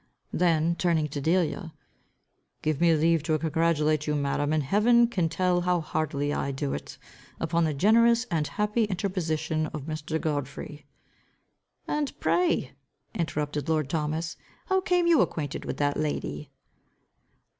Then turning to Delia, "Give me leave to congratulate you, madam, and heaven can tell how heartily I do it, upon the generous and happy interposition of Mr. Godfrey." "And pray," interrupted lord Thomas, "how came you acquainted with that lady?"